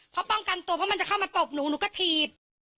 เพราะป้องกันตัวเพราะมันจะเข้ามาตบหนูหนูก็ถีบ